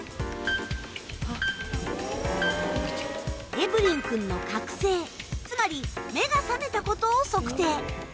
エブリン君の覚醒つまり目が覚めたことを測定。